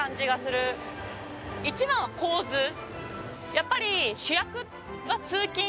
やっぱり。